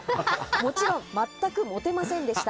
もちろん、全くモテませんでした。